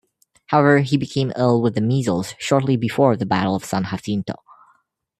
However, he became ill with the measles shortly before the Battle of San Jacinto.